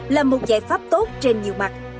là một giải pháp tốt trên nhiều mặt